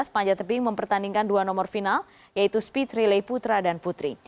panjat tebing mempertandingkan dua nomor final yaitu speed relay putra dan putri